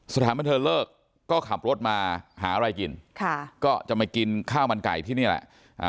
สถานบันเทิงเลิกก็ขับรถมาหาอะไรกินค่ะก็จะมากินข้าวมันไก่ที่นี่แหละ